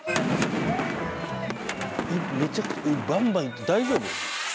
めちゃくちゃバンバン大丈夫？